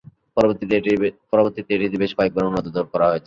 পরবর্তীতে এটিতে বেশ কয়েকবার উন্নততর করা হয়েছে।